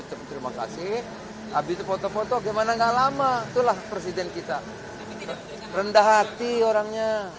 terima kasih habis itu foto foto gimana gak lama itulah presiden kita rendah hati orangnya